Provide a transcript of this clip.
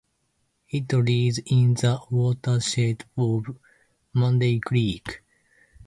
It lies in the watershed of Monday Creek.